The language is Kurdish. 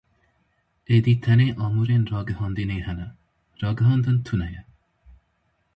Êdî tenê amûrên ragihandinê hene, ragihandin tune ye.